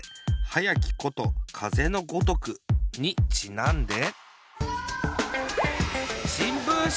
「はやきことかぜのごとく！」にちなんで。